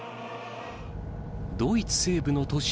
ドイツ西部の都市